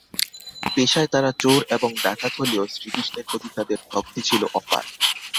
পেশায় তারা চোর এবং ডাকাত হলেও, শ্রীকৃষ্ণের প্রতি তাদের ভক্তি ছিলো অপার।